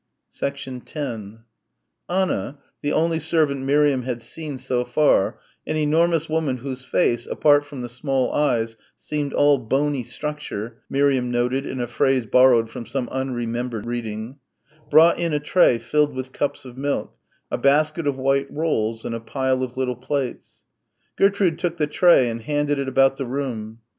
10 Anna, the only servant Miriam had seen so far an enormous woman whose face, apart from the small eyes, seemed all "bony structure," Miriam noted in a phrase borrowed from some unremembered reading brought in a tray filled with cups of milk, a basket of white rolls and a pile of little plates. Gertrude took the tray and handed it about the room.